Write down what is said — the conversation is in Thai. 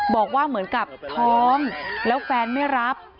บอกว่าเหมือนกับท้องแล้วแฟนไม่รับ